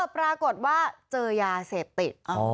ปรากฏว่าเจอยาเสพติด